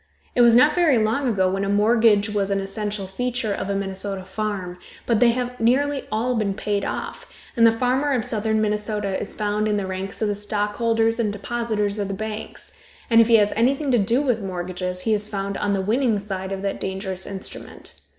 It was not very long ago when a mortgage was an essential feature of a Minnesota farm, but they have nearly all been paid off, and the farmer of southern Minnesota is found in the ranks of the stockholders and depositors of the banks, and if he has anything to do with mortgages, he is found on the winning side of that dangerous instrument.